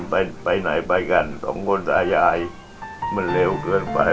ไปไปไหนไปกันสองคนตายายมันเร็วเกินไป